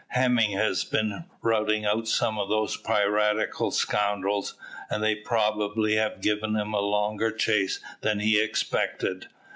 "Hemming has been routing out some of those piratical scoundrels, and they probably have given him a longer chase than he expected."